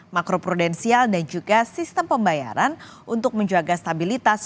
makro prudensial dan juga sistem pembayaran untuk menjaga stabilitas